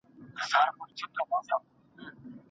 واوره تل ژر نه ویلي کېږي.